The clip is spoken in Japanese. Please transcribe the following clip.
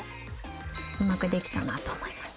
うまく出来たなと思います。